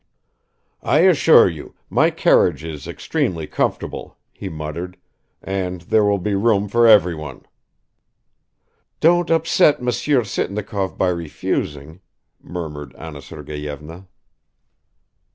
"I assure you, my carriage is extremely comfortable," he muttered, "and there will be room for everyone." "Don't upset Monsieur Sitnikov by refusing ...," murmured Anna Sergeyevna.